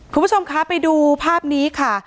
คุณผู้ชมคะไปดูภาพนี้ค่ะ